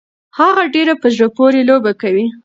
هغه ډيره په زړه پورې لوبه کوي.